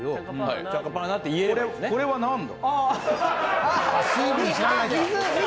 これは何だ？